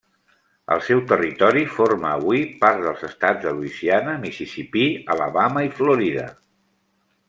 El seu territori forma avui part dels Estats de Louisiana, Mississipí, Alabama i Florida.